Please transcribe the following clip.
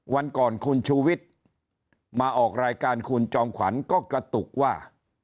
วันก่อนคุณชูวิทย์มาออกรายการคุณจอมขวัญก็กระตุกว่า